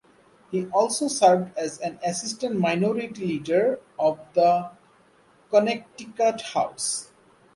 He also served as an Assistant Minority Leader of the Connecticut House.